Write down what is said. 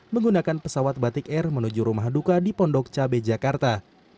menggunakan pesawat batik air menuju rumah duka di pondok cabe jakarta